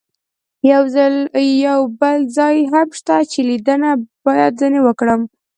یو بل ځای هم شته چې لیدنه باید ځنې وکړم.